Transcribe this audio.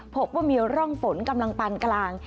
พบว่ามีร่องฝนกำลังปานกลาง